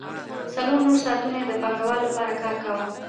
څلور نور ساعتونه یې د پانګوال لپاره کار کاوه